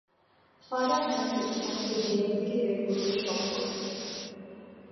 Father Mathews আমাকে jail থেকে বের করতে সব করলেন।